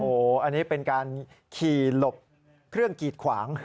โอ้โหอันนี้เป็นการขี่หลบเครื่องกีดขวาง